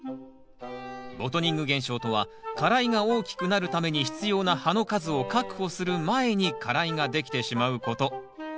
ボトニング現象とは花蕾が大きくなるために必要な葉の数を確保する前に花蕾ができてしまうこと。